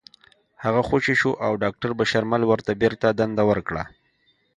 هغه خوشې شو او داکتر بشرمل ورته بېرته دنده ورکړه